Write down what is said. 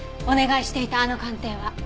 お願いしていたあの鑑定は？